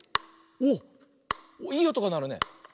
おっいいおとがなるね。